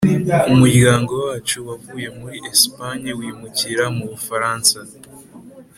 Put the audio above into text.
Umuryango wacu wavuye muri esipanye wimukira mu bufaransa